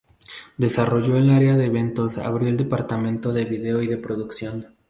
Desarrolló el área de eventos, abrió el departamento de video y de producción.